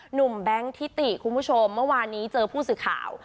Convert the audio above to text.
แบงค์ทิติคุณผู้ชมเมื่อวานนี้เจอผู้สื่อข่าว